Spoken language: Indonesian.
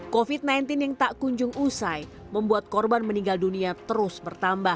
covid sembilan belas yang tak kunjung usai membuat korban meninggal dunia terus bertambah